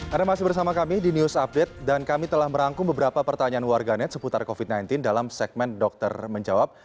ada masih bersama kami di news update dan kami telah merangkum beberapa pertanyaan warganet seputar covid sembilan belas dalam segmen dokter menjawab